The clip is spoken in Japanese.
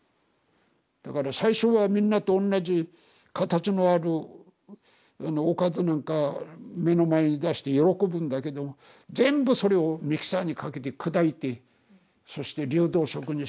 だから最初はみんなと同じ形のあるおかずなんか目の前に出して喜ぶんだけど全部それをミキサーにかけて砕いてそして流動食にして飲ませる。